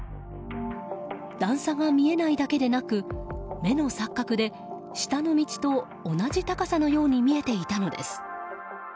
段差が見えないだけでなく目の錯覚で下の道と同じ高さのように見えていたのです。